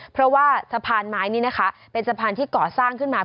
เพราะว่าสะพานไม้นี่นะคะเป็นสะพานที่ก่อสร้างขึ้นมา